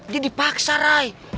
dia dipaksa ray